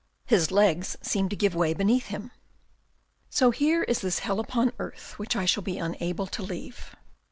His legs seemed to give way beneath him. " So here is this hell upon earth which I shall be unable to leave."